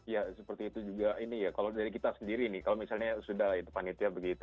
ya seperti itu juga ini ya kalau dari kita sendiri nih kalau misalnya sudah panitia begitu